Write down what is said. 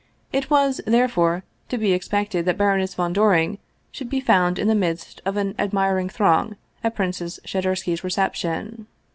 It was, therefore, to be expected that Baroness von Doring should be found in the midst of an admiring throng at Princess Shadursky's reception.